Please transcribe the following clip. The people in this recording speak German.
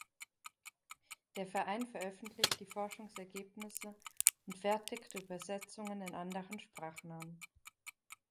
Der Verein veröffentlicht die Forschungsergebnisse und fertigt Übersetzungen in andere Sprachen an.